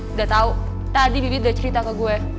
udah tau tadi bibit udah cerita ke gue